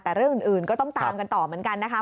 แต่เรื่องอื่นก็ต้องตามกันต่อเหมือนกันนะคะ